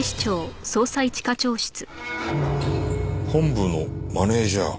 本部のマネージャー。